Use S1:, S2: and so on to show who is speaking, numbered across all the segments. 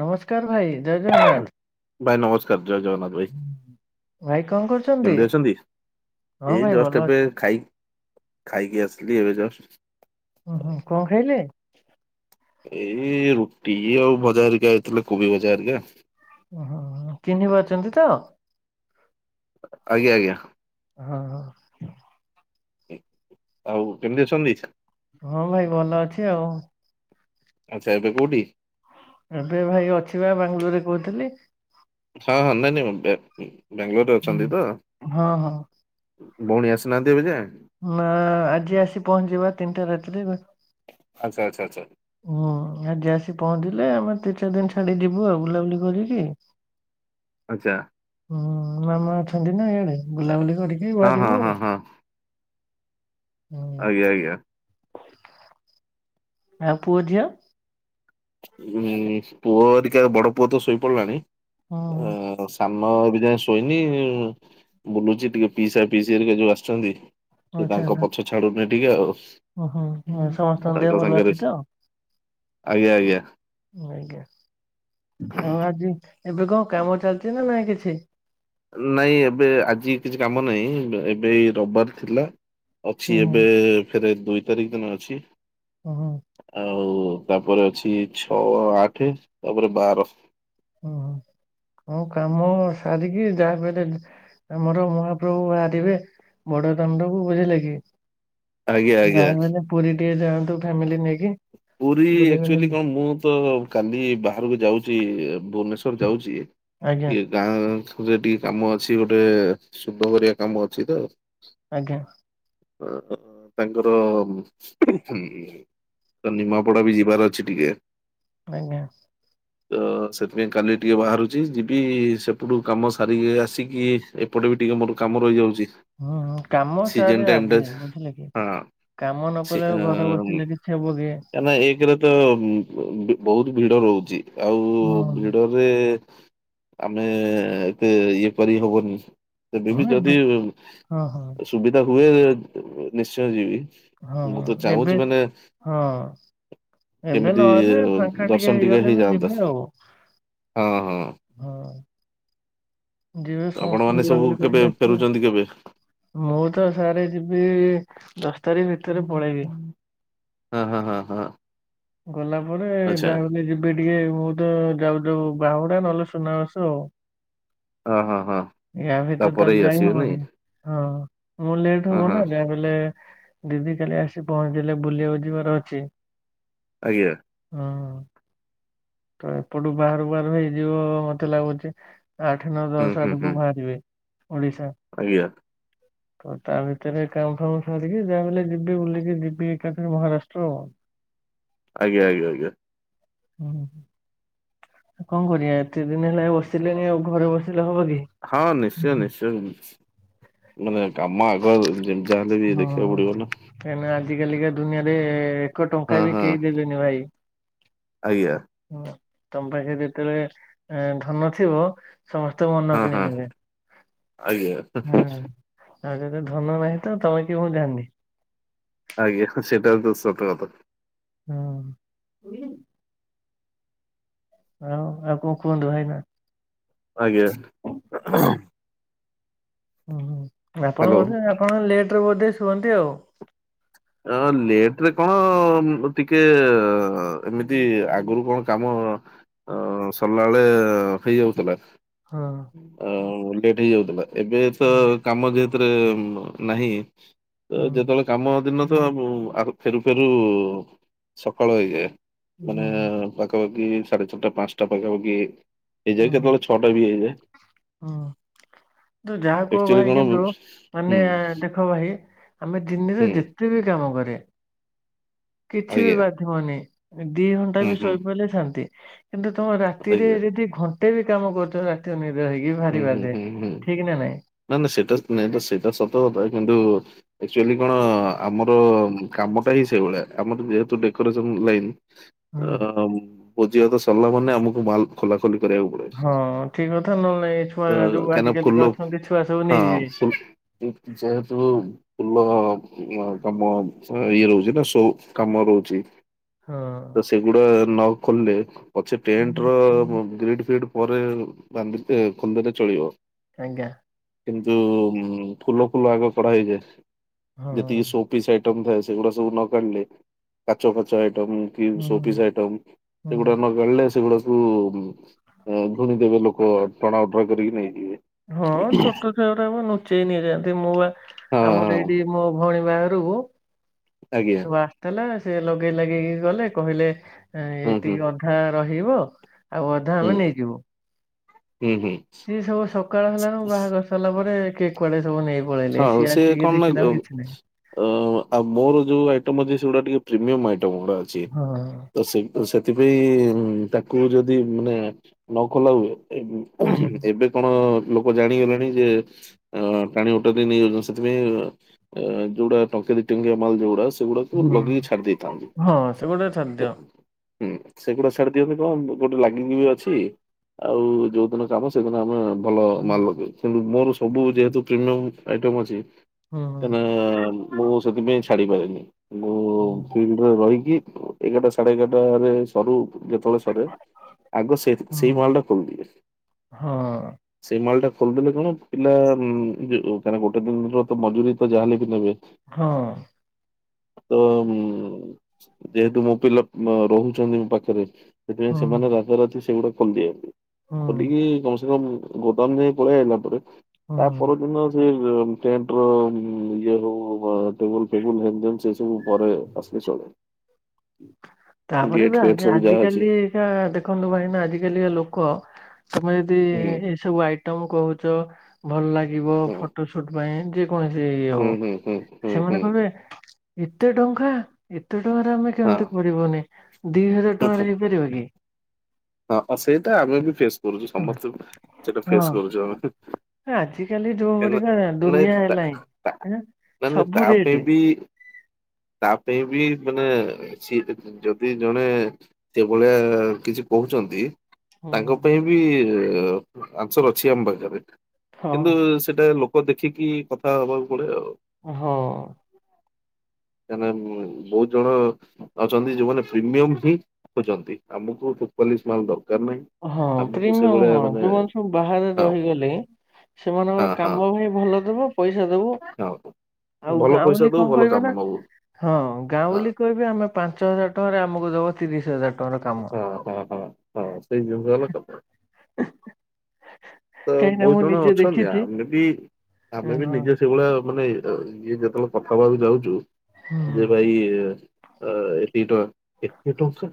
S1: ନମସ୍କାର ଭାଇ ଜୟ ଜଗନ୍ନାଥ।
S2: ଭାଇ ନମସ୍କାର ଜୟ ଜଗନ୍ନାଥ। ଭ
S1: ଭାଇ କଣ କରୁଛନ୍ତି?
S2: କେମିତି ଅଛନ୍ତି
S1: ହଁ
S2: ଏଇ
S1: ଭାଇ ଭଲ
S2: ଜଷ୍ଟ ଏବେ
S1: ଅଛି।
S2: ଖାଇ ଖାଇକି ଆସିଲି ଏବେ ଯଷ୍ଟ।
S1: ଓୁଁ ହୁଁ କଣ ଖାଇଲେ?
S2: ଏଇ ରୁଟି ଆଉ ଭଜାଘରିକା ହେଇଥିଲା କୋବି ଭଜା ଘରିକା।
S1: ଚିହ୍ନିପାରୁଛନ୍ତି ତ?
S2: ଆଜ୍ଞା ଆଜ୍ଞା।
S1: ହଁ ହଁ।
S2: ଆଉ କେମିତି ଅଛନ୍ତି?
S1: ହଁ ଭାଇ ଭଲ ଅଛି ଆଉ।
S2: ଆଚ୍ଛା ଏବେ କୋଉଠି?
S1: ଏବେ ଭାଇ ଅଛି ବା ବାଙ୍ଗାଲୋର ରେ କହୁଥିଲି।
S2: ହଁ ହଁ ନାଇଁ ନାଇଁ ବାଙ୍ଗାଲୋରରେ
S1: ହୁଁ।
S2: ଅଛନ୍ତି ତ?
S1: ହଁ ହଁ
S2: ଭଉଣୀ ଆସିନାହାନ୍ତି ଏବେ ଯା?
S1: ନା ଆଜି ଆସି ପହଞ୍ଚିବା ତିନିଟା ରାତିରେ।
S2: ଆଚ୍ଛା ଆଚ୍ଛା ଆଚ୍ଛା।
S1: ହୁଁ ଆଜି ଆସି ପହଞ୍ଚିଲେ ଆମେ ତିନି ଚାରି ଦିନ ଛାଡି ଯିବୁ ଆଉ ବୁଲାବୁଲି କରିକି [inaudible]
S2: ଆଚ୍ଛା।
S1: ହୁଁ ମାମା ଅଛନ୍ତି ନା ଇଆଡେ ବୁଲାବୁଲି କରିକି।
S2: ହଁ ହଁ
S1: ବାହାରିବୁ
S2: ହଁ ହଁ।
S1: ହଁ।
S2: ଆଜ୍ଞା ଆଜ୍ଞା।
S1: ଆଉ ପୁଅ ଝିଅ?
S2: ଉଁ ପୁଅ ଟିକା ବଡ ପୁଅ ତ ଶୋଇପଡିଲାଣି
S1: ହୁଁ ହୁଁ,
S2: ଅ ସା ଏବେ ଯାଏ ଶୋଇନି ବୁଲୁଛି ଟିକେ ପିସା ପିିସି ହରିକାଯୋଉ ଆସଛନ୍ତି। ସେ
S1: ଆଚ୍ଛା ଆଚ୍ଛା।
S2: ତାଙ୍କ ପଛ ଛାଡୁନି ଟିକେ ଆଉ
S1: ଓହୋ ଆଉ ସମସ୍ତଙ୍କ ଦେହ
S2: ତାଙ୍କ
S1: ଭଲ ଅଛି
S2: ସାଙ୍ଗରେ।
S1: ତ?
S2: ଆଜ୍ଞା ଆଜ୍ଞା।
S1: ଆଜ୍ଞା ଆଉ ଆଜି ଏବେ କଣ କାମ ଚାଲିଛି ନା ନାଇ କିଛି।
S2: ନାଇଁ ଏବେ ଆଜି କିଛି କାମ ନାହିଁ ଏବେ ରବିବାର ଥିଲା।
S1: ହୁଁ
S2: ଅଛି
S1: ହୁଁ
S2: ଏବେ ଫେରେ ଦୁଇ ତାରିଖ ଦିନ ଅଛି।
S1: ହଁ।
S2: ଆଉ ତାପରେ ଅଛି ଛଅ ଆଠ ତାପରେ ବାର।
S1: ଓହୋ କଉ କାମ ସାରିକି ଯାହାପେଲେ। ଆମର ମହାପ୍ରଭୁ ବାହାରିବେ ବଡ ଦାଣ୍ଡକୁ ବୁଝିଲେ କି।
S2: ଆଜ୍ଞା
S1: ନା
S2: ଆଜ୍ଞା
S1: ମାନେ ପୁରୀ ଟିକେ ଯାଆନ୍ତୁ ଫ୍ୟାମିଲି ନେଇକି।
S2: ପୁରୀ
S1: ବୁଲି ବାଲି
S2: ଆକ୍ଚୁଆଲି କଣ ମୁଁ ତ। କାଲି ବାହାରକୁ ଯାଉଛି ଭୁବନେଶ୍ଵର
S1: ଆଜ୍ଞା
S2: ଯାଉଛି ଗାଁ ରେ ଟିକେ କାମ ଅଛି ଗୋଟେ ଶୁଭ ଘାରିଆ କାମ ଅଛି ତ।
S1: ଆଜ୍ଞା।
S2: ଅ ତାଙ୍କର। ତ ନିମାପଡା ବି ଯିବାର ଅଛି ଟିକେ।
S1: ଆଜ୍ଞା।
S2: ତ ସେଥିପାଇଁ କାଲି ଟିକେ ବାହାରୁଛି ଯିବି ସେପଟୁ କାମ ସାରିକି ଆସିକି ଏପଟେ ବି ଟିକେ ମୋର କାମ ରହିଯାଉଛି।
S1: ହୁଁଁ କାମ
S2: ସିଜନ
S1: ସାରେ
S2: ଟାଇମ ଟା
S1: ଆଗେଇଯିବ ବୁଝିଲେ କି
S2: ହଁ।
S1: କାମ ନ କଲେ ଆଉ ଘରେ ବସିଲ କିି ହେବୋକି।
S2: ନାଁ ଏକରେ ତ ବହୁତ ଭିଡ ରହୁଛି ଆଉ
S1: ହଁ
S2: ଭିଡ ଆମେ ଏତେ ଇଏ କରି ହେବନି। ତେବେ
S1: ହଁ
S2: ବି
S1: ଏବେ
S2: ଯଦି
S1: ହଁ ହଁ
S2: ସୁବିଧା ହୁଏ ନିଶ୍ଚୟ ଯିବି। ମୁଁ ତ
S1: ହଁ ଏବେ
S2: ଚାହୁଁଛି ମାନେ
S1: ହଁ ଏବେ
S2: କେମିତି
S1: ନହେଲେ ଫାଙ୍କା ଟିକେ
S2: ଦର୍ଶନ
S1: ହେଇଗଲେ ବି
S2: ହେଇଯାଆନ୍ତା
S1: ଯିବେ ଆଉ
S2: ହଁ ହଁ।
S1: ହଁ ଯିବ
S2: ଆପଣ
S1: ସମସ୍ତେ
S2: ମାନେ ସବୁ
S1: ବୁଲାବୁଲି
S2: କେବେ
S1: କରିକି
S2: ଫେରୁଛନ୍ତି କେବେ
S1: ଆସିବେ। ମୁଁ ତ ସାରେ ଯିବି ଦଶ ତାରିଖ ଭିତରେ ପଳେଇବି।
S2: ହଁ ହଁ ହଁ ହଁ
S1: ଗଲା ପରେ
S2: ଆଚ୍ଛା
S1: ଯାହାଲେ ଯିବି ଟିକେ ମୁଁ ତ ଯାଉ ଯାଉ ବାହୁଡା ନହେଲେ ସୁନାବାସ ଆଉ।
S2: ହଁ ହଁ ହଁ।
S1: ଗା ଭିତରେ ତ
S2: ତାପରେ ଇଏ
S1: ଯାଇ
S2: ଆସିବେ
S1: ହବନି
S2: ନାଇଁ
S1: ହଁ ମୁଁ ଲେଟ
S2: ହଁ
S1: ହବ
S2: ହଁ
S1: ନା ଗା ଭ ଲେ ଦିଦି କାଲି ଆସି ପହଞ୍ଚିଲେ ବୁଲିବାକୁ ଯିବାର ଅଛି।
S2: ଆଜ୍ଞା
S1: ହଁ ତ ଏପଟୁ ବାହାରୁ ବାହାରୁ ହେଇଯିବ ମତେ ଲାଗୁଚି ଆଠ ନ
S2: ହୁଁ
S1: ଦଶ
S2: ହୁଁ ହୁଁ
S1: ଆଡକୁ ବାହାରିବେ। ଓଡ଼ିଶା
S2: ଆଜ୍ଞା
S1: ହ [unintelligible] ତ ତା ଭିତରେ କାମ ଫାମ ସରିକି ଯାହା ବଲେ ଯିବି ବୁଲିକି ଯିବି ଏକାଥରେ ମହାରାଷ୍ଟ୍ର ଆଉ [unintelligible]
S2: ଆଜ୍ଞା ଆଜ୍ଞା ଆଜ୍ଞା
S1: କଣ କଣ କରିବା ଏତେ ଦିନ ହେଲା ବସିଲେଣି ଆଉ ଘରେ ବସିଲେ ହବ କି?
S2: ହଁ ନିଶ୍ଚୟ ନିଶ୍ଚୟ ମାନେ କାମ ଆଗ ଯେମିତି ଯାହାଲେ ବି ଦେଖିବାକୁ ପଡିବ ନା।
S1: କାହିଁ ଆଜିିକାଲିକା ଦୁନିଆରେ ଏକ ଟଙ୍କା
S2: ହଁ
S1: ବି
S2: ହଁ
S1: କେହି ଦେବେନି ଭାଇ
S2: ଆଜ୍ଞା
S1: ହୁଁ ତମ ପାଖେ ଯେତେବେଳେ ଧନ ଥିବ ସମସ୍ତେ ମନ
S2: ହଁ
S1: କିଣି
S2: ହଁ
S1: ନେବେ
S2: ଆଜ୍ଞା
S1: ହୁଁ ଆଉ ଯଦି ଧନ ନାହିଁ ତ ତମେ କିଏ ମୁଁ ଜାଣିନି।
S2: ଆଜ୍ଞା ସେଟା ତ ସତକଥା
S1: ହଁ ହଉ ଆଉ କଣ କୁହନ୍ତୁ ଭାଇନା
S2: ଆଜ୍ଞା
S1: ହୁଁ ହୁଁ ଆପଣ
S2: ହ୍ୟାଲୋ।
S1: ବୋଧେ ଆପଣ ଲେଟରେ ବୋଧେ ଶୁଅନ୍ତି ଆଉ।
S2: ଅ ଲେଟ ରେ କଣ ଟିକେ ଏମିତି ଆଗରୁ କଣ କାମ ଅ ସରିଲା ବେଳେ ହେଇଯାଉଥିଲା।
S1: ହଁ
S2: ଆ ଲେଟ୍ ହେଇଯାଉଥିଲା ଏବେ ତ କାମ ଯେହେତରେ ନାହିଁ। ତ ଯେତେବେଳେ କାମ ଦିନ ତ ଆ ଫେରୁ ଫେରୁ ସକାଳ ହେଇଯାଏ। ମାନେ
S1: ହୁଁ।
S2: ପାଖାପାଖି ସାଢେ ଛାଟା ପାଞ୍ଚଟା ପାଖାପାଖି ହେଇଯାଏ କେତେବେଳେ ଛଟା ବି ହେଇଯାଏ।
S1: ହଁ ତୁ ଯାହା କୁହ
S2: ଆକ୍ଚୁଆଲି
S1: ଭାଇ
S2: କଣ ହୁଁ
S1: କିନ୍ତୁ ମାନେ ଦେଖ ଭାଇ ଆମେ ଦିନିରେ
S2: ହୁଁ
S1: ଯେତେ ବି କାମ କରେ କିଛି ବି
S2: ଆଜ୍ଞା
S1: ବଧି ବନି ଦି ଘଣ୍ଟା
S2: ହୁଁ
S1: ବି
S2: ହୁଁ
S1: ଶୋଇପଇଲେ ବି ଶାନ୍ତି। କିନ୍ତୁ ତମେ ରାତିରେ
S2: ଆଜ୍ଞା
S1: ଯଦି ଘଣ୍ଟେ ବି କାମ କରୁଛ ରାତି ଅନିଦ୍ରା ହେଇକି ଇଏ
S2: ହୁଁ
S1: ଭାରି
S2: ହୁଁ
S1: ବାଧେ
S2: ହୁଁ ହୁଁ
S1: ଠିକ ନା ନାଇଁ
S2: ନା ନା ସେଇଟା ନାଇଁ ତ ସେଇଟା ସତ କଥା କିନ୍ତୁ ଆକ୍ଚୁଆଲି କଣ ଆମର କାମଟା ହିଁ ସେଇଭଳିଆ ଆମର ଯେହେତୁ ଡେକୋରେସନ ଲାଇନ
S1: ହୁଁ
S2: ଅ ଭୋଜିଭାତ ସରିଲା ମାନେ ଆମକୁ ମାଲ ଖୋଲା ଖୋଲି କରିବାକୁ ପଡ଼େ
S1: ହଁ ଠିକ କଥା ନହେଲେ ନାଇଁ ଛୁଆ ଯୋଉ ଆଜିକାଲିକା ଅଛନ୍ତି ଛୁଆ ସବୁ ନେଇଯିବେ
S2: ଉଁ ଯେହେ ତୁ ଫୁଲ କାମ ଇଏ ରହୁଛି ତ ସବୁ କାମ ରହୁଛି
S1: ହଁ
S2: ତ ସେଗୁଡା ନ ଖୋଲିଲେ ପଛେ ଟେଣ୍ଟ ର ଗ୍ରୀଡ ଫ୍ରିଡ ପରେ ବାନ୍ଧ ଏ ଖନ୍ଦାରେ ଚଳିବ
S1: ଆଜ୍ଞା
S2: କିନ୍ତୁ ଫୁଲ ଫୁଲ ଆଗ କଢାହେଇଯାଏ
S1: ହଁ
S2: ଯେତିକି ସୋ ପିସ୍ ଆଇ ଆଇଟମ୍ ସେଗୁଡାକ ସବୁ ନ କାଢିଲେ କାଚ ଫାଚ ଆଇଟମ୍ କି ସୋ ପିସ୍
S1: ହୁଁ
S2: ଆଇଟମ୍
S1: ହୁଁ
S2: ସେଗୁଡା ନ କାଢିଲେ ସେଗୁଡାକ ଧୂଳି ଦେବେ ଲୋକ ଟଣା ଓଟରା କରିକି ନେଇଯିବେ।
S1: ହଁ ଛୋଟ ଛୁଆଗୁରାକୁ ଲୁଚେଇ ନେଇଯାଆନ୍ତି ମୁଁ ବା ଆମର
S2: ହଁ
S1: ସେଇଠି ମୋ ଭଉଣୀ ବାହାଘରକୁ
S2: ଆଜ୍ଞା
S1: ସବା ତାଲା ସେ ଲଗେଇ ଲାଗେଇକି ଗଲେ କହିଲେ
S2: ହୁଁ ହୁଁ
S1: ଏତିକି ଅଧା ରହିବ ଆଉ ଅଧା
S2: ହୁଁ
S1: ଆମେ ନେଇଯିବୁ।
S2: ହୁଁ ହୁଁ।
S1: ସିଏ ସବୁ ସକାଳ ହେଲାଣୁ ବାହାଘର ସରିଲା ପରେ କିଏ କୁଆଡେ ସବୁ ନେଇ ପଳେଇଲେ
S2: ହଉ
S1: ସିଏ
S2: ସେ
S1: ଆସିକି
S2: କଣ ନା
S1: ଦେଖିଲା
S2: ଅଁ
S1: ଆଉ କିଛି ନାହିଁ
S2: ଆଉ ମୋର ଯୋଉ ଆଇଟମ୍ ଅଛି ସେଗୁଡା ଟିକେ ପ୍ରିମିୟମ୍ ଆଇଟମ ଗୁଡା ଅ
S1: ହଁ।
S2: ତ ସେ ସେଥିପାଇଁ ତାକୁ ଯଦି ମାନେ ନ ଖୋଲା ହୁଏ
S1: ହୁଁ
S2: ଏବେ କଣ ଲୋକ ଜାଣିଗଲେଣି ଯେ ଅ ଟାଣି ଓଟାରି ନେଇ ଯାଉଛନ୍ତି ସେଥିପାଇଁ ଯୋଉଗୁଡା ଟଙ୍କେ ଦି ଟଙ୍କିଆ ମାଲ ଯୋଉଗୁଡା ସେଗୁଡାକୁ
S1: ହୁଁ
S2: ଲଗେଇକି ଛାଡି ଦେଇଥାନ୍ତି।
S1: ହଁ ସେ ଗୋଟେ ଖାଦ୍ୟ
S2: ହୁଁ ସେଗୁଡା ଛାଡି ଦିଅନ୍ତି କଣ ଗୋଟେ ଲାଗିକି ବି ଅଛି ଆଉ ଯୋଉଦିନ କାମ ସେଦିନ ଆମେ ଭଲ ମାଲ ଲଗେଇବି କିନ୍ତୁ ମୋର ସବୁ ଯେହେତୁ ପ୍ରିମିୟମ୍ ଆଇଟମ୍ ଅଛି
S1: ହୁଁ
S2: କାଇନା ମୁଁ ସେଥିପାଇଁ ଛାଡି ପାରେନି। ମୁଁ ଫିଲ୍ଡରେ ରହିକି ଏଗାରଟା ସାଢେ ଏଗାରଟାରେ ସରୁ ଯେତେବେଳେ ସରେ ଆଗ ସେ
S1: ହୁଁ
S2: ସେଇ ମାଲଟା ଖୋଲିଦିଏ।
S1: ହଁ
S2: ସେଇ ମାଲଟା ଖୋଲିଦେଲେ କଣ ପିଲା ଉଁ କାହିଁକିନା ଗୋଟେ ଦିନର ତ ମଜୁରୀ ତ ଯାହାଲେ ବି ନେବେ
S1: ହଁ।
S2: ତ ଯେହେତୁ ମୋ ପିଲା ଅଁ ରହୁଛନ୍ତି ମୋ ପାଖରେ ସେଥିପାଇଁ
S1: ହଁ
S2: ସେମାନେ ରାତାରାତି ସେଗୁଡ଼ା ଖୋଲି ଦିଅନ୍ତି
S1: ହଁ
S2: ଖୋଲିକି କମ୍ ସେକମ ଗୋଦାମ ଯାଏ ପଳେଇ ଆଇଲା ପରେ ତା
S1: ହଁ
S2: ପରଦିନ ଟେଣ୍ଟର ଇଏ ହଉ ବା ଟେବୁଲ ଫେବୁଲ ହେନ ତେନ ସେ ସବୁ ପରେ ଆସିଲେ ଚଳେ।
S1: ତାପରେ
S2: ଗେଟ୍
S1: ବି
S2: ଫେଟ୍
S1: ଆଜି
S2: ସବୁ ଯାହା ଅଛି
S1: ଆଜିିକାଲି କା ଦେଖନ୍ତୁ ଭାଇନା ଆଜିକାଲିଆ ଲୋକ ତମେ ଯଦି
S2: ହୁଁ
S1: ସବୁ ଆଇଟମ କହୁଛ ଭଲ ଲାଗିବ
S2: ହୁଁ
S1: ଫଟୋସୁଟ ପାଇଁ ଯେ କୌଣସି ଇଏ
S2: ହୁଁ
S1: ହଉ
S2: ହୁଁ ହୁଁ ହୁଁ ହୁଁ
S1: ସେମାନେ କହିବେ ଏତେ ଟଙ୍କା ଏତେ ଟଙ୍କାରେ ଆମେ
S2: ହଁ
S1: କେମିତି କରିବନି ଦି ହଜାର ଟଙ୍କାରେ ହେଇପାରିବ କି?
S2: ହଁ ହ ସେଇଟା ଆମେ ବି ଫେସ୍ କରୁଛୁ
S1: ହେଲା
S2: ସମସ୍ତେ ସେଇଟା ଫେସ୍
S1: ହଁ
S2: କରୁଛୁ ଆମେ।
S1: ଆଜିକାଲି ଯୋଉ ପରିକା
S2: [unintelligible] ନାଇଁ
S1: ଦୁନିଆ
S2: ତା
S1: ହେଲାଣି
S2: ତା
S1: ଆଁ
S2: ନାଇଁ
S1: ସବୁ ରେଟ
S2: ତାପାଇଁ ବି ତା ପାଇଁ ବି ମାନେ ସିଏ ଯଦି ଜଣେ ସେ ଭଳିଆ କିଛି କହୁଛନ୍ତି
S1: ହୁଁ
S2: ତାଙ୍କ ପାଇଁ ବି ଆନ୍ସର ଅଛି ଆମ ପାଖରେ
S1: ହଁ
S2: କିନ୍ତୁ ସେଟା ଲୋ କ ଦେଖିକି କଥା ହବାକୁ ପଡେ ଆଉ।
S1: ହଁ।
S2: କାଇନା ବହୁତ ଜଣ ଅଛନ୍ତି ଯୋଉମାନେ ପ୍ରିମିୟମ ହିଁ ଖୋଜନ୍ତି ଆମକୁ [unintelligible] ମାଲ ଦରକାର ନାହିଁ।
S1: ହଁ
S2: ଆମକୁ
S1: ପ୍ରିମିୟମ୍
S2: ସେଇଭଳିଆ
S1: ହଁ
S2: ମାନେ
S1: ଯୋଉମାନେ ସବୁ ବାହାରେ
S2: ହଁ
S1: ରହିଗଲେ ସେମାନଙ୍କର
S2: ହଁ ହଁ
S1: କାମ ଭାଇ ଭଲ ଥିବ ପଇସା ଦବୁ
S2: ହଁ
S1: ଆଉ
S2: ଭଲ ପଇସା
S1: ଗାଁଉଲି
S2: ଦବୁ
S1: କଣ
S2: ଭଲ କାମ
S1: କହିଲ
S2: ନବୁ
S1: ହଁ
S2: ହଁ
S1: ଗାଁଉଲି କହିବି ଆମେ ପାଞ୍ଚ ହଜାର ଟଙ୍କାରେ ଆମକୁ ଦବ ତିରିଶ ହଜାର ଟଙ୍କାର କାମ।
S2: ହଁ ହଁ ହଁ ହଁ ସେଇ ଜିନିଷ ହେଲା କଥା। ତ
S1: କାହିଁକି ନା
S2: ବହୁତ
S1: ମୁଁ
S2: ଜଣ
S1: ନିଜେ
S2: ଅଛନ୍ତି
S1: ଦେଖିଛି
S2: ଆମେ ବି
S1: ହଁ
S2: ଆମେ ବି ନିଜସ୍ଵ ସେହି ଭଳିଆ ମାନେ ଅ ଇଏ ଯେତେବେଳେ କଥା ହବାକୁ ଯାଉଛୁ
S1: ହୁଁ,
S2: ଯେ ଭାଇ ଅ ଏତିକି ଟଙ୍କା ଏତେ ଟଙ୍କା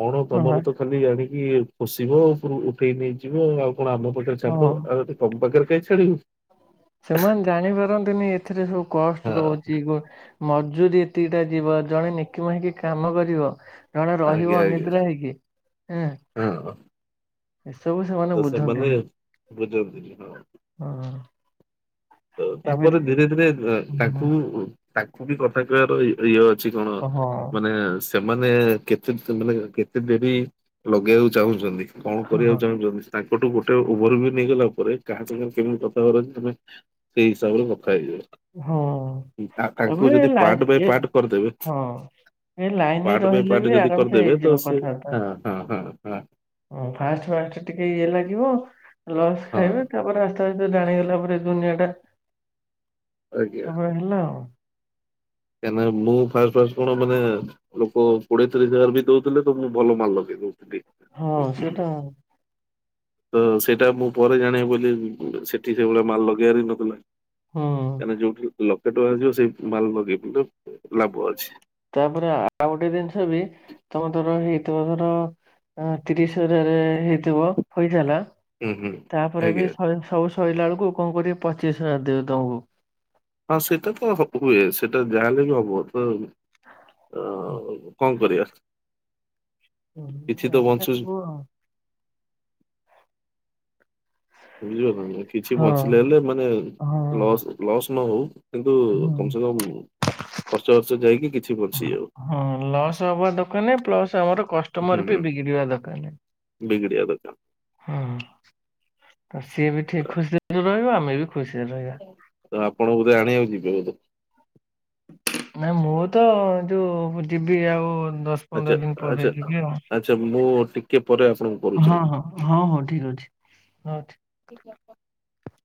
S2: କଣ
S1: ହଁ ବା,
S2: ତମରତ ଖାଲି ଆାଣିକି ପୋଷିବ ଉପରୁ ଉଠେଇ ନେଇଯିବ ଆଉ କଣ ଆମ ପାଖରେ
S1: ହଁ।
S2: ଛାଡିଦବ ଆରେ ତମ ପାଖରେ କାଇଁ ଛାଡିବୁ?
S1: ସେମାନେ ଜାଣିପାରନ୍ତିନି ଏଥିରେ ସବୁ କଷ୍ଟ
S2: ହଁ
S1: ରହୁଛି [unintelligible] ମଜୁୁରୀ ଏତିକିଟା ଯିବ ଜଣେ ନିକିମା ହେଇକି କାମ କରିବ। ଜଣେ ରହିବ
S2: ଆଜ୍ଞା ଆଜ୍ଞା
S1: ଅନିଦ୍ରା ହେଇକି, ହେଁ
S2: ହଁ
S1: ଏସବୁ ସେମାନେ
S2: ତ ସେମାନେ
S1: ବୁଝନ୍ତିନି।
S2: ବୁଝନ୍ତିନି, ହଁ।
S1: ହଁ
S2: ତ
S1: ଏମିତି
S2: ତାପରେ ଧୀରେ ଧୀରେ ଏ ତାଙ୍କୁ ତାଙ୍କୁ ବି କଥା କହିବାର ଇ ଇଏ ଅଛି କଣ
S1: ହଁ ହଁ।
S2: ମାନେ ସେ ସେମାନେ କେତେ ମାନେ କେତେ ଡେରି ଲଗେଇବାକୁ ଚାହୁଁଛନ୍ତି କଣ କରିବାକୁ ଚାହୁଁଛନ୍ତି? ତାଙ୍କଠୁ ଗୋଟେ ଓଭର ଭ୍ୟୁ ନେଇଗଲା ପରେ, କାହା ସାଙ୍ଗରେ କେମିତି କଥା ହବାର ଅଛି ତମେ ସେଇ ହିସାବରେ କଥା
S1: ହଁ ହଁ।
S2: ହେଇଯାଅ। ଆ ଆଙ୍କୁ
S1: ତମେ
S2: ଯଦି
S1: ଲାଇ
S2: ପାର୍ଟ ବାଇ
S1: ଏ
S2: ପାର୍ଟ କରିଦେବେ
S1: ହଁ ଏ ଲାଇନରେ
S2: ପାର୍ଟ ବାଇ
S1: ରହିଲେ
S2: ପାର୍ଟ
S1: ବି
S2: ଯଦି
S1: ଆରାମସେ
S2: କରିଦେବେ ତ
S1: ହେଇଯିବ
S2: ସେ,
S1: କଥାବାର୍ତ୍ତା।
S2: ହାଁ, ହାଁ ହାଁ ହାଁ
S1: ହଁ ଫାଷ୍ଟ ଫାଷ୍ଟ ଟିକେ ଇଏ ଲାଗିବ ଲସ
S2: ହଁ
S1: ଖାଇବେ ତାପରେ ଆସ୍ତେ ଆସ୍ତେ ଜାଣିଗଲା ପରେ ଦୁନିଆଟା ତାପରେ ହେଲା ଆଉ।
S2: କାହିଁକି ନା ମୁଁ ଫାଷ୍ଟ ଫାଷ୍ଟ କଣ ମାନେ ଲୋକ କୋଡିଏ ତିରିଶ ହଜାର ବି ଦଉଥିଲେ ତ ମୁଁ ଭଲ ମାଲ ଲଗେଇ ଦଉଥିଲି।
S1: ହଁ ସେଇଟା।
S2: ତ ସେଇଟା ମୁଁ ପରେ ଜାଣିବାକୁ ପାଇଲି ସେଠି ସେହିଭଳିଆ ମାଲ ଲଗେଇବାର ହିଁ ନଥିଲା।
S1: ହୁଁ
S2: କାହିଁକିନା ଯୋଉଠି ଲକ୍ଷେ ଟଙ୍କା ଯିବ ସେ ମାଲ ଲଗେଇଦେଲେ ଲାଭ ଅଛି।
S1: ତାପରେ ଆଉ ଗୋଟେ ଜିନିଷ ବି ତମେ ଧର ହେ ଧର ଅ ତିରିଶ ହଜାରରେ ହେଇଥିବ ଫଇସଲା
S2: ହୁଁ ହୁଁ
S1: ତାପରେ ବି
S2: ଆଜ୍ଞା
S1: ସବୁ ସରିଲା ସଇଲାବେଳକୁ କଣ କରିବେ ପଚିଶ ହଜାର ଦେବେ ତମକୁ।
S2: ହଁ ସେଇଟା ତ ହ ହୁଏ ସେଇଟା ଯାହାଲେ ବି ହବ ତ ଅ କଣ କରିବା? କିଛି ତ ବଞ୍ଚୁଛି
S1: [unintelligible]
S2: ବୁଝିଲ ନା ନାଇଁ କିଛି
S1: ହଁ
S2: ବଞ୍ଚିଲେ ହେଲେ ମାନେ
S1: ହଁ
S2: ଲସ୍ ଲସ୍ ନ ହଉ କିନ୍ତୁ
S1: ହୁଁ।
S2: କମ୍ ସେ କମ୍ ଖର୍ଚ୍ଚ ବାର୍ଚ୍ଚ ଯାଇକି କିଛି ବଞ୍ଚି ଯାଉ।
S1: ହଁ ଲସ୍ ହବା ଦରକାର ନାଇଁ, ପ୍ଲସ୍ ଆମର କଷ୍ଟମର ବି ବିଗଡିବା ଦରକାର ନାଇଁ।
S2: ବିଗଡ଼ିବା ଦରକାର।
S1: ହଁ ତ ସିଏ ବି ଠିକ ଖୁସିରେ ରହିବ ଆମେ ବି ଖୁସିରେ ରହିବା।
S2: ତ ଆପଣ ବୋଧେ ଆଣିବାକୁ ଯିବେ ବୋଧେ?
S1: ନାଇଁ ମୁଁ ତ ଯୋଉ ଯିବି ଆଉ ଦଶ ପନ୍ଦର ଦିନ ପରେ ଯିବି ଆଉ।
S2: ତ ମୁଁ ଟିକେ ପରେ ଆପଣଙ୍କୁ କରୁଛି।
S1: ହଁ ହଁ ହଁ ହଉ ଠିକ ଅଛି ହଉ ଠିକ୍ ଅଛି।
S2: [unintelligible]